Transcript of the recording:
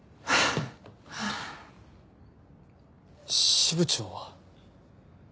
支部長は。